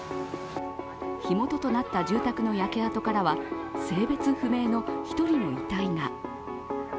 火元となった住宅の焼け跡からは性別不明の１人の遺体が。